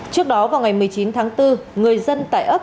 trước đó vào ngày một mươi chín tháng bốn người dân tại ấp